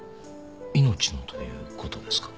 命のということですか？